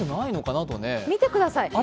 見てください。